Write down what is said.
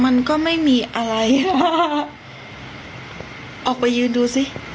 มันก็ไม่มีอะไรว่าออกไปยืนดูสิ